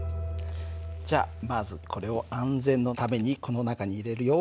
じゃあまずこれを安全のためにこの中に入れるよ。